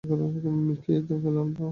খেয়ে তো ফেলত না।